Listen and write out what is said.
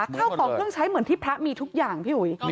ข้าวของเครื่องใช้เหมือนที่พระมีทุกอย่างพี่อุ๋ย